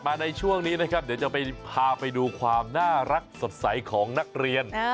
ในช่วงนี้นะครับเดี๋ยวจะไปพาไปดูความน่ารักสดใสของนักเรียน